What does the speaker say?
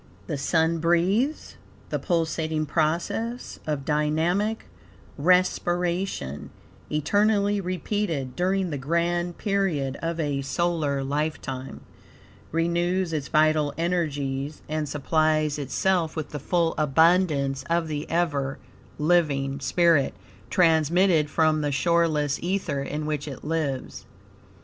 The Sun breathes. The pulsating process of dynamic respiration, eternally repeated during the grand period of a solar lifetime, renews its vital energies, and supplies itself, with the full abundance of the ever living spirit, transmitted from the shoreless ether in which it lives.